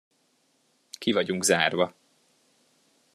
Ki vagyunk zárva.